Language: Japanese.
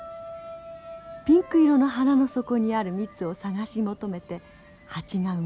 ピンク色の花の底にある蜜を探し求めてハチが動き回ります。